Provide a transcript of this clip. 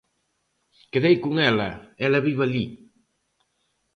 Quedei con ela, ela vive alí.